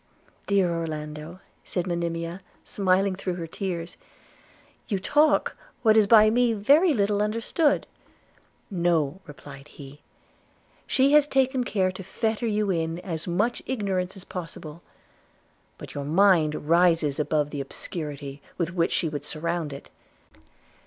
'Dear Orlando,' said Monimia smiling through her tears, "you talk what is by me very little understood.' 'No!' replied he, 'she has taken care to fetter you in as much ignorance as possible; but your mind rises above the obscurity with which she would surround it.